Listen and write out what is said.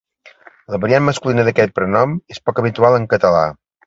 La variant masculina d'aquest prenom és poc habitual en català.